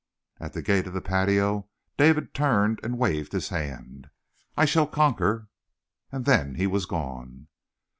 At the gate of the patio David turned and waved his hand. "I shall conquer!" And then he was gone.